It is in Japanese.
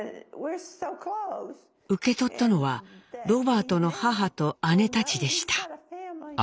受け取ったのはロバートの母と姉たちでした。